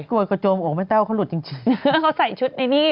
กับโจมไอ้ผู้หญิงแม่แต้วเขาหลุดจริง